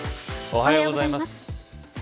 おはようございます。